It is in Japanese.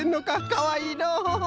かわいいのう。